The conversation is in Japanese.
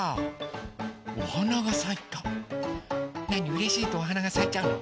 うれしいとおはながさいちゃうの？